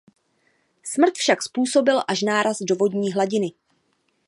Smrt však způsobil až náraz do vodní hladiny.